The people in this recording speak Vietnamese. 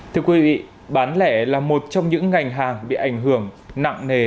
thưa quý vị bán lẻ là một trong những ngành hàng bị ảnh hưởng nặng nề